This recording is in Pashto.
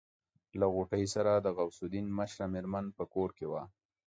له غوټۍ سره د غوث الدين مشره مېرمن په کور کې وه.